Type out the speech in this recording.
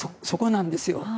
そこなんですよ。